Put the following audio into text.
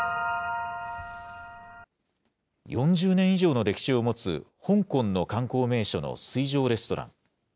４０年以上の歴史を持つ、香港の観光名所の水上レストラン。